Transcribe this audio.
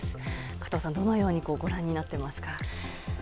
加藤さん、どのようにご覧になっていますか？